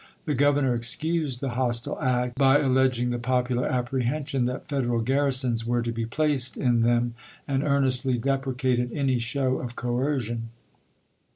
The Governor excused BiSuan *^® hostile act by alleging the popular apprehension w°r' voi: that Federal garrisons were to be placed in them, i.,p|k484, ^^^ earnestly deprecated any show of coercion.